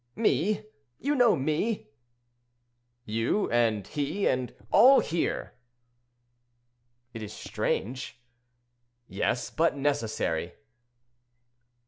"Me! you know me?" "You, and he, and all here." "It is strange." "Yes, but necessary."